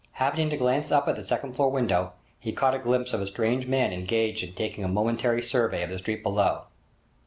Happening to glance up at the second floor window, he caught a glimpse of a strange man engaged in taking a momentary survey of the street below.